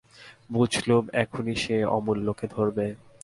বুঝলুম এখনই সে অমূল্যকে ধরবে।